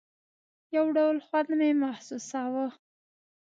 يو ډول خوند مې محسوساوه.